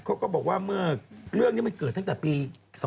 เขาก็บอกว่าเมื่อเรื่องนี้มันเกิดตั้งแต่ปี๒๕๖